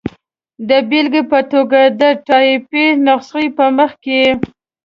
د بېلګې په توګه، د ټایپي نسخې په مخ کې.